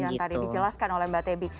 yang tadi dijelaskan oleh mbak tebi